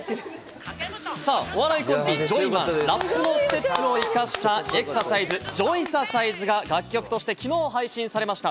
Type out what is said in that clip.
お笑いコンビ・ジョイマン、ラップのステップを生かしたエクササイズ『ジョイササイズ』が、楽曲として昨日、配信されました。